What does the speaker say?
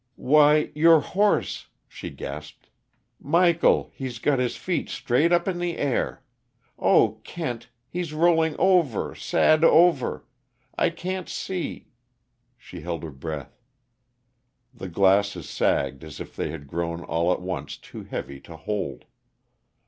"Why, your horse " she gasped. "Michael he's got his feet straight up in the air oh, Kent, he's rolling over sad over! I can't see " She held her breath. The glasses sagged as if they had grown all at once too heavy to hold.